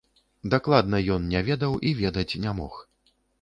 Дакладна ён не ведаў і ведаць не мог.